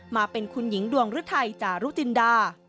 มาเป็นคุณหญิงดวงฤทัยจารุจินดา